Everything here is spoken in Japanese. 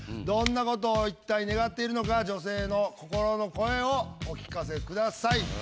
どんなことをいったい願っているのか女性の心の声をお聞かせください。